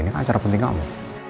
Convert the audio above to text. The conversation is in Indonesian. ini kan acara penting kamu